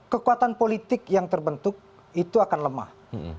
kekuatan politik yang terbentuk itu akan lemah